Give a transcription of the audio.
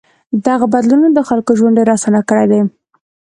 دغو بدلونونو د خلکو ژوند ډېر آسان کړی دی.